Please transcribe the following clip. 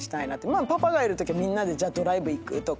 パパがいるときはみんなでじゃあドライブ行くとか。